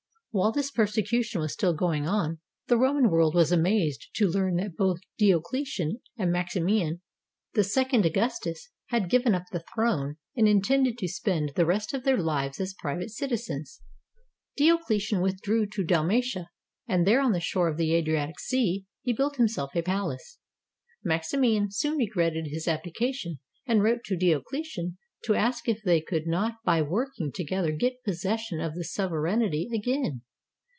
While this persecution was still going on, the Roman world was amazed to learn that both Diocletian and Maximian, the second Augustus, had given up the throne and intended to spend the rest of their lives as private citizens. Diocletian withdrew to Dalmatia, and there on the shore of the Adriatic Sea he built himself a palace. Maximian soon regretted his abdication and wrote to Diocletian to ask if they could not by working together get possession of the sovereignty again.